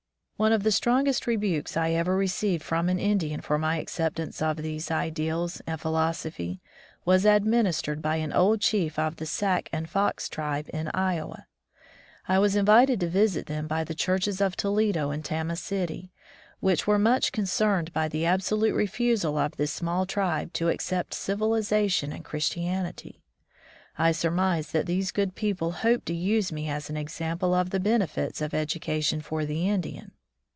One of the strongest rebukes I ever re ceived from an Indian for my acceptance of these ideals and philosophy was administered by an old chief of the Sac and Fox tribe in Iowa. I was invited to visit them by the churches of Toledo and Tama City, which were much concerned by the absolute refusal of this small tribe to accept civilization and Christianity. I surmise that these good people hoped to use me as an example of the benefits of education for the Indian.